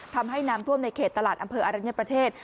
ทำให้น้ำท่วมในเขตตลาดอำเภออรัญญประเทศ